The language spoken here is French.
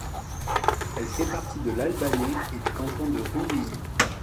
Elle fait partie de l'Albanais et du canton de Rumilly.